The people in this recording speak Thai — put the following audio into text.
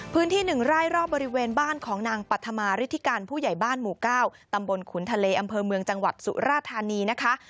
๑ไร่รอบบริเวณบ้านของนางปัธมาฤทธิการผู้ใหญ่บ้านหมู่๙ตำบลขุนทะเลอำเภอเมืองจังหวัดสุราธานีนะคะ